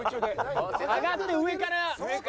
上がって上から。